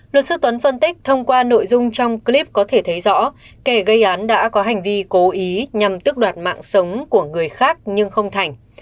luật sư tuấn phân tích thông qua nội dung trong clip có thể thấy rõ kẻ gây án đã có hành vi cố ý nhằm tức đoạt mạng sống của người khác nhưng không thành